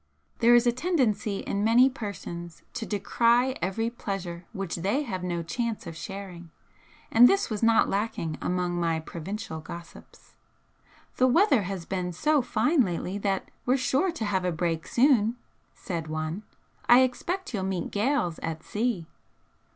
There is a tendency in many persons to decry every pleasure which they have no chance of sharing, and this was not lacking among my provincial gossips. "The weather has been so fine lately that we're sure to have a break soon," said one "I expect you'll meet gales at sea."